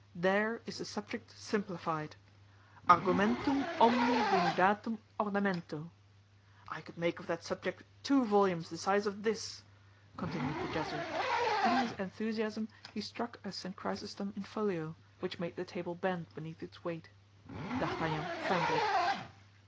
There is the subject simplified. Argumentum omni denudatum ornamento. I could make of that subject two volumes the size of this," continued the Jesuit; and in his enthusiasm he struck a St. Chrysostom in folio, which made the table bend beneath its weight. D'Artagnan trembled.